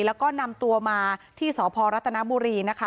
แล้วก็นำตัวมาที่สพรัฐนบุรีนะคะ